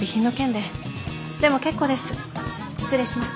でも結構です。